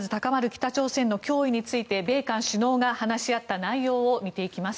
北朝鮮の脅威について米韓首脳が話し合った内容を見ていきます。